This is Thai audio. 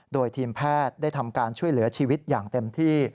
โดยทีมแพทย์ได้ทำการช่วยเหลือชีวิตอย่างเต็มที่